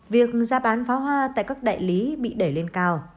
việc ra bán pháo hoa tại các đại lý bị đẩy lên cao